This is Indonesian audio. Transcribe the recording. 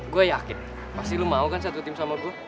gue yakin pasti lu mau kan satu tim sama gue